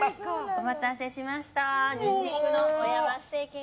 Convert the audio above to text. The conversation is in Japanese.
お待たせしました。